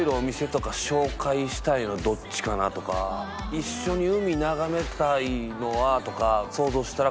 一緒に海眺めたいのはとか想像したら根本さん。